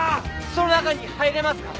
その中に入れますか？